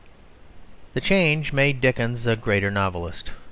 The change made Dickens a greater novelist.